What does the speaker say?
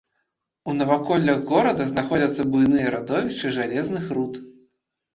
У наваколлях горада знаходзяцца буйныя радовішчы жалезных руд.